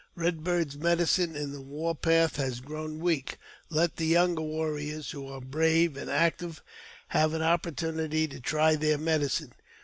Eed Bird's medicine in ihb war path has grown weak ; let the younger warriors, who are brave and active, have an opportunity to try their medi I 218 AUTOBIOGRAPHY OF cine.